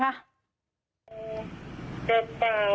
กระเป๋าคาท้ามาท้าอะไร